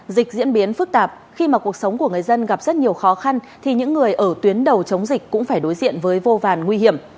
dịch diễn biến phức tạp khi mà cuộc sống của người dân gặp rất nhiều khó khăn thì những người ở tuyến đầu chống dịch cũng phải đối diện với vô vàn nguy hiểm